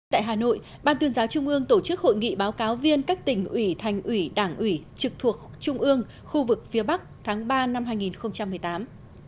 tại hà nội ban tuyên giáo trung ương tổ chức hội nghị báo cáo viên các tỉnh ủy thành ủy đảng ủy trực thuộc trung ương khu vực phía bắc tháng ba năm hai nghìn một mươi tám